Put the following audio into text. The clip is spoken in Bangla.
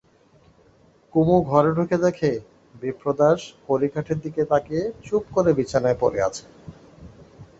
কুমু ঘরে ঢুকে দেখে বিপ্রদাস কড়িকাঠের দিকে তাকিয়ে চুপ করে বিছানায় পড়ে আছে।